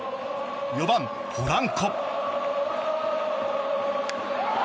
４番、ポランコ。